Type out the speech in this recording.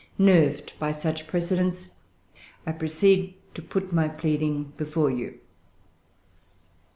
Nerved by such precedents, I proceed to put my pleading before you.